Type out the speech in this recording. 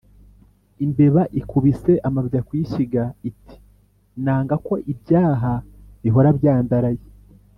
lmbeba ikubise amabya ku ishyiga iti nanga ko ibyaha bihora byandaraye.